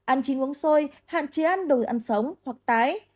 ăn chín uống xôi hạn chế ăn đồ ăn sống hoặc tái